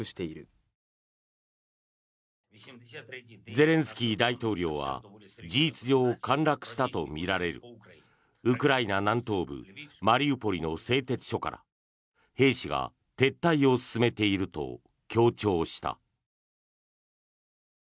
ゼレンスキー大統領は事実上陥落したとみられるウクライナ南東部マリウポリの製鉄所から兵士が撤退を進めていると強調した。